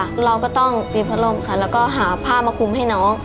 แล้วเราก็ต้องตีพัดลมค่ะแล้วก็หาผ้ามาคุมให้น้อง